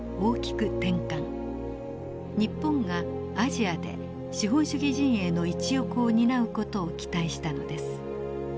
日本がアジアで資本主義陣営の一翼を担う事を期待したのです。